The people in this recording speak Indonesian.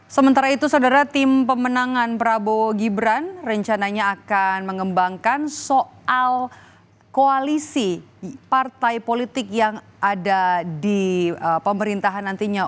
sementara itu saudara tim pemenangan prabowo gibran rencananya akan mengembangkan soal koalisi partai politik yang ada di pemerintahan nantinya